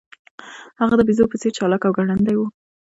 هغه د بیزو په څیر چلاک او ګړندی و.